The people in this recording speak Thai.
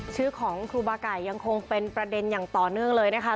ชื่อของครูบาไก่ยังคงเป็นประเด็นอย่างต่อเนื่องเลยนะคะ